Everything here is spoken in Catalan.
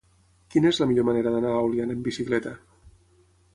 Quina és la millor manera d'anar a Oliana amb bicicleta?